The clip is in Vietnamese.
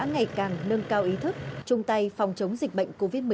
ngày càng nâng cao ý thức chung tay phòng chống dịch bệnh covid một mươi chín